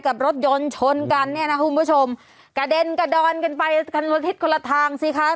กับรถยนต์ชนกันเนี่ยนะคุณผู้ชมกระเด็นกระดอนกันไปกันละทิศคนละทางสิคะ